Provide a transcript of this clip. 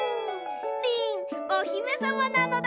リンおひめさまなのだ。